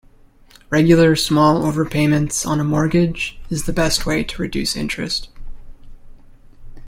Regular small overpayment's on a mortgage is the best way to reduce interest.